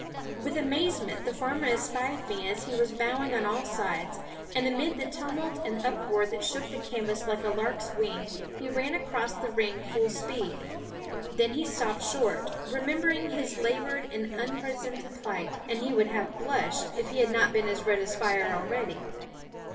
With amazement the farmer espied me as he was bowing on all sides, and amid the tumult and uproar that shook the canvass like a lark's wing, he ran across the ring full speed. Then he stopped short, remembering his laboured and unpresentable plight, and he would have blushed, if he had not been as red as fire already.